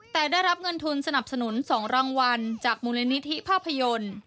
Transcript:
แต่ได้รับเงินทุนสนับสนุน๒รางวัลจากมูลนิธิภาพยนตร์